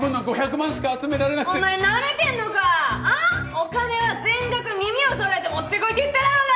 お金は全額耳を揃えて持ってこいって言っただろうが！